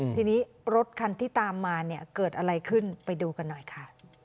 ทีนี้รถคันที่ตามมาเนี่ยเกิดอะไรขึ้นไปดูกันหน่อยค่ะ